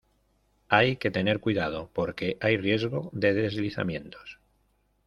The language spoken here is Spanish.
Hay que tener cuidado porque hay riesgo de deslizamientos.